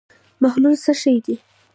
محلول څه شی دی.